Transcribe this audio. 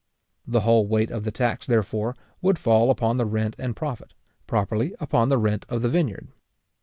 The whole weight of the tax, therefore, would fall upon the rent and profit; properly upon the rent of the vineyard.